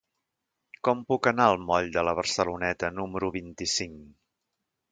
Com puc anar al moll de la Barceloneta número vint-i-cinc?